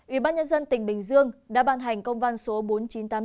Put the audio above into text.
ủy ban nhân dân tỉnh bình dương đã ban hành công văn số bốn nghìn chín trăm tám mươi tám